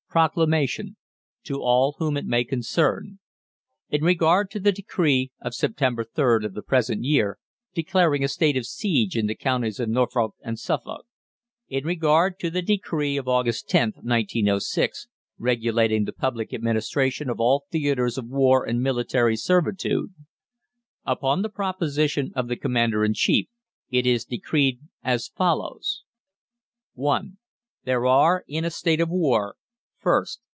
PROCLAMATION. TO ALL WHOM IT MAY CONCERN. In regard to the Decree of September 3rd of the present year, declaring a state of siege in the Counties of Norfolk and Suffolk. In regard to the Decree of August 10th, 1906, regulating the public administration of all theatres of war and military servitude; Upon the proposition of the Commander in Chief IT IS DECREED AS FOLLOWS: (1) There are in a state of war: 1st.